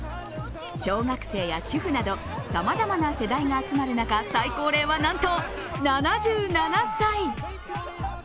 小学生や主婦など、さまざまな世代が集まる中、最高齢は、なんと７７歳。